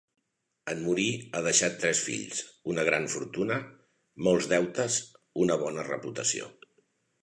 En morir, ha deixat tres fills, una gran fortuna, molts deutes, una bona reputació.